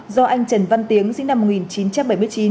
do anh trần văn tiếng sinh năm một nghìn chín trăm bảy mươi chín